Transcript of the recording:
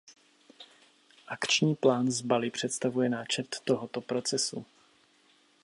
Akční plán z Bali představuje náčrt tohoto procesu.